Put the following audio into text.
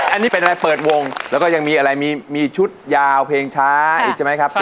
อันนี้เป็นอะไรเปิดวงแล้วก็ยังมีอะไรมีชุดยาวเพลงช้าอีกใช่ไหมครับ